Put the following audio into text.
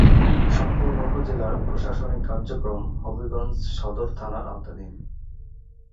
সম্পূর্ণ উপজেলার প্রশাসনিক কার্যক্রম হবিগঞ্জ সদর থানার আওতাধীন।